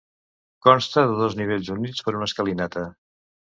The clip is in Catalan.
Consta de dos nivells units per una escalinata.